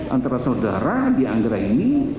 antara saudara dia anggreni